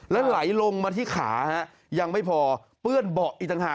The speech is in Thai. แล้วไหลลงมาที่ขายังไม่พอเปื้อนเบาะอีกต่างหาก